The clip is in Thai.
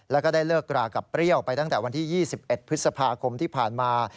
แล้วก็ได้เลิกรากับเปรี้ยวไปตั้งแต่วันที่๒๑พฤษภาคมที่ผ่านมา